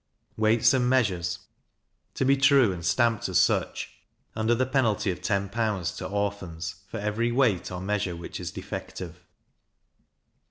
Weights and Measures to be true, and stamped as such, under the penalty of ten pounds to Orphans, for every weight or measure which is defective.